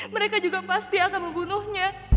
mereka juga pasti akan membunuhnya